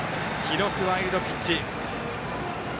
記録、ワイルドピッチ。